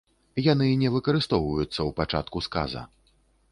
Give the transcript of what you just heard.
Яны не выкарыстоўваюцца ў пачатку сказа.